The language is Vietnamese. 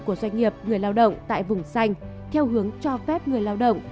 của doanh nghiệp người lao động tại vùng xanh theo hướng cho phép người lao động